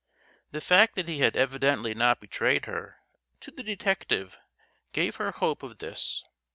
The fact that he had evidently not betrayed her to the detective gave her hope of this.